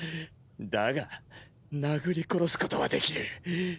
だが殴り殺すことはできる。